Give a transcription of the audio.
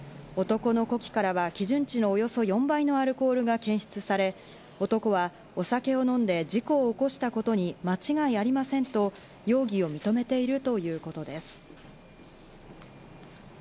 男の呼気からは基準値のおよそ４倍のアルコールが検出され、男は、お酒を飲んで事故を起こしたことに間違いありませんと容疑を認めているということです。